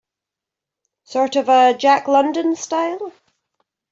Sort of a Jack London style?